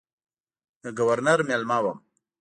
د ګورنر مېلمه وم.